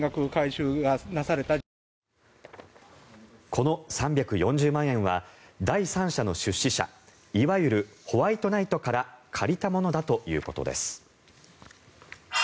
この３４０万円は第三者の出資者いわゆるホワイトナイトから借りたものだということです。